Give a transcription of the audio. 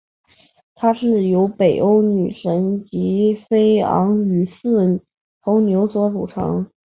它是由北欧女神吉菲昂与四头牛所组成。